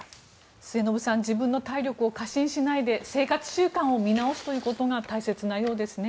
末延さん自分の体力を過信しないで生活習慣を見直すということが大切なようですね。